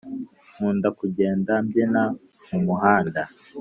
Nkunda kugenda mbyina mu muhanda